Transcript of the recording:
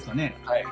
はい。